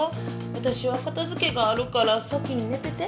私は片づけがあるから、先に寝てて。